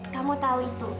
kamu tau itu